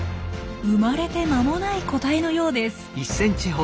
生まれて間もない個体のようです。